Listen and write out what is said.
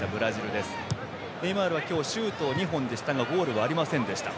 ネイマールシュート２本でしたがゴールはありませんでした。